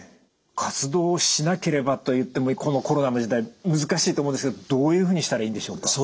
活動をしなければといってもこのコロナの時代難しいと思うんですけどどういうふうにしたらいいんでしょうか？